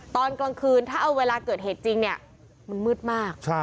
ตอนกลางคืนถ้าเอาเวลาเกิดเหตุจริงเนี่ยมันมืดมาก